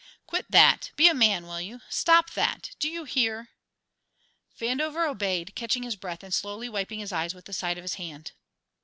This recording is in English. "Quit that! Be a man, will you? Stop that! do you hear?" Vandover obeyed, catching his breath and slowly wiping his eyes with the side of his hand.